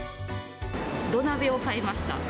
土鍋を買いました。